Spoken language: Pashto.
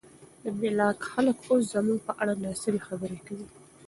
د بلاک خلک اوس زموږ په اړه ناسمې خبرې کوي.